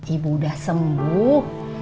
ibu udah sembuh